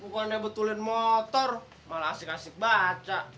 yee bukan ada betulin motor malah asik asik baca